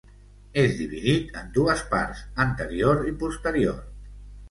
És dividit en dues parts: anterior i posterior.